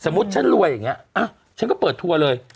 ฉันรวยอย่างนี้ฉันก็เปิดทัวร์เลย